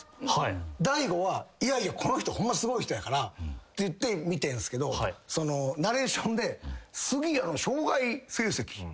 大悟は「いやいやこの人ホンマすごい人やから」って言って見てるんすけどナレーションで。